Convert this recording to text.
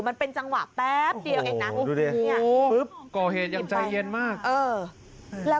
มันเป็นจังหวะแป๊บเดียวเองนะ